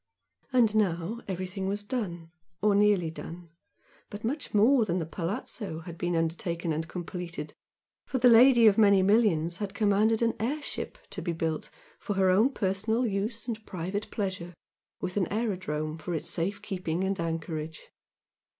And now everything was done, or nearly done; but much more than the "palazzo" had been undertaken and completed, for the lady of many millions had commanded an air ship to be built for her own personal use and private pleasure with an aerodrome for its safe keeping and anchorage.